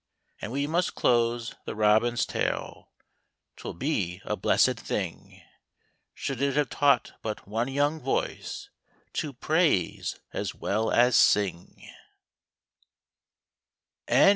And we must close the Robin's tale ; 'Twill be a blessed thing Should it have taught but one young voice, To praise as well as sing.